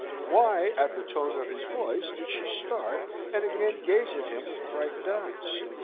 Why, at the tone of his voice, did she start, and again gaze at him with frightened eyes?